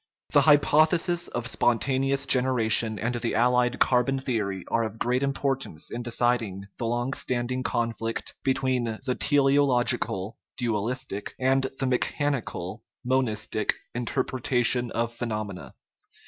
The hypothesis of spontaneous generation and the allied carbon theory are of great importance in deciding the long standing conflict between the Ideological (du alistic) and the mechanical (monistic) interpretation of phenomena.